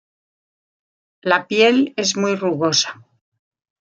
La piel es muy rugosa.